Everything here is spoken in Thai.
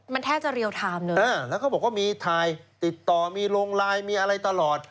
มันแทบจะเรียลไทม์เลยอ่าแล้วเขาบอกว่ามีถ่ายติดต่อมีลงไลน์มีอะไรตลอด